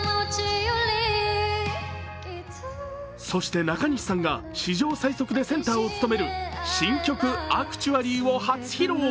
そして中西さんが史上最速でセンターを務める新曲「Ａｃｔｕａｌｌｙ．．．」を初披露。